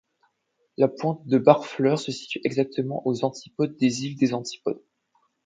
La pointe de Barfleur se situe exactement aux antipodes des îles des Antipodes.